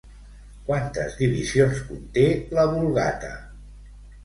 Quantes divisions conté la Vulgata?